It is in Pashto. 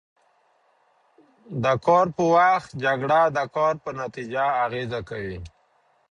د کار پر وخت جکړې د کار په نتیجه اغېز کوي.